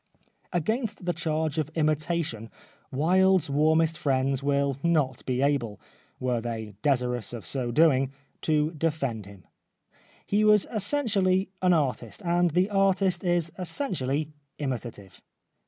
Against the charge of imitation Wilde's warm est friends will not be able — were they desirous of so doing — to defend him. He was essentially an artist, and the artist is essentially imitative.